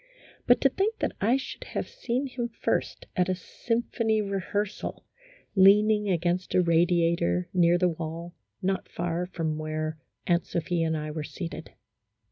But to think that I should have seen him first at a symphony rehearsal, leaning against a radiator near the wall, not far from where Aunt Sophia and I were seated.